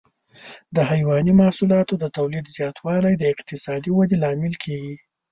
د حيواني محصولاتو د تولید زیاتوالی د اقتصادي ودې لامل کېږي.